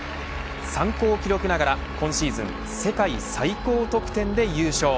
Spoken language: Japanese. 参考記録ながら今シーズン世界最高得点で優勝。